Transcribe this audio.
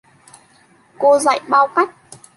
Cô dạy bao cách